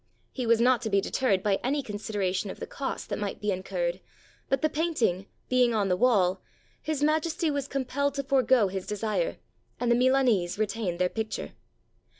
He was not to be deterred by any consideration of the cost that might be incurred, but the painting, being on the wall. His Ma jesty was compelled to forego his desire, and the Milan ese retained their picture.